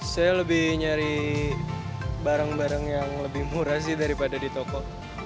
saya lebih nyari barang barang yang lebih murah sih daripada di toko